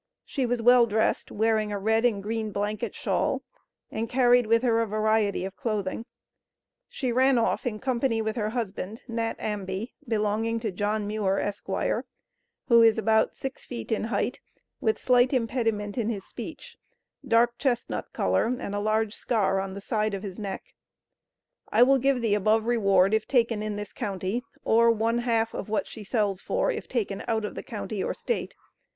She was well dressed, wearing a red and green blanket shawl, and carried with her a variety of clothing. She ran off in company with her husband, Nat Amby (belonging to John Muir, Esq.), who is about 6 feet in height, with slight impediment in his speech, dark chestnut color, and a large scar on the side of his neck. I will give the above reward if taken in this County, or one half of what she sells for if taken out of the County or State.